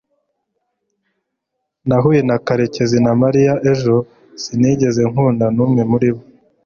nahuye na karekezi na mariya ejo sinigeze nkunda n'umwe muri bo